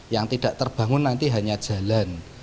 yang tidak terbangun nanti hanya jalan